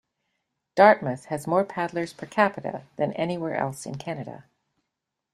Dartmouth has more paddlers per capita than anywhere else in Canada.